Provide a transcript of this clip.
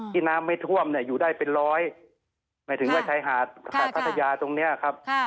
น้ำไม่ท่วมเนี่ยอยู่ได้เป็นร้อยหมายถึงว่าชายหาดพัทยาตรงนี้ครับ